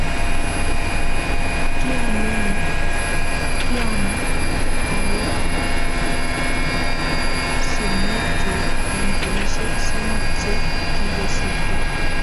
kiami aili sumek chuk eng' kenyishek somok che kikosirto